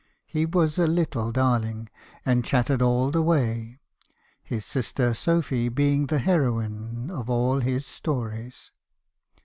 He was a little darling, and chattered all the way, his sister Sophy being the heroine of all his stories.